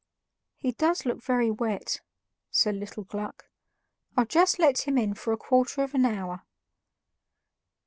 "He does look very wet," said little Gluck; "I'll just let him in for a quarter of an hour."